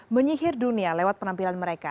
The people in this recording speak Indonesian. menyihir dunia lewat penampilan mereka